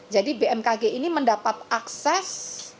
jadi bmkg ini mendapat akses